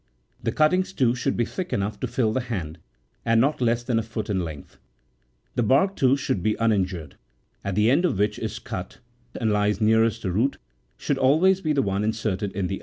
The cuttings, too, should be thick enough to fill the hand, and not less than a foot in length : the bark, too, should be uninjured, and the end which is cut and lies nearest the root should always be the one inserted in the earth.